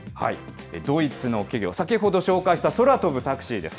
ドイツの企業、先ほど紹介した空飛ぶタクシーです。